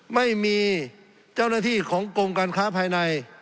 ไม่มีเจ้าหน้าที่ของกรมการค้าภายใน